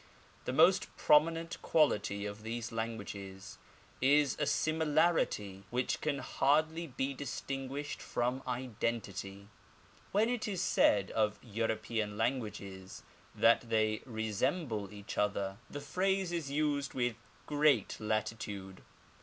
The most prominent quality of these languages is a similarity which can hardly be distinguished from identity. When it is said of European lan ffnaffe& that they resemble each other, the phrase is used with The Arabic Language. 5 great latitude.